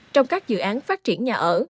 trong các dự án phát triển nhà ở